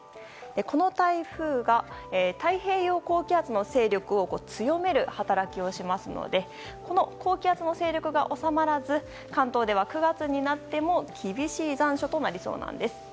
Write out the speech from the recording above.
この台風、太平洋高気圧の勢力を強める働きをしますので高気圧の勢力が収まらず関東では９月になっても厳しい残暑となりそうなんです。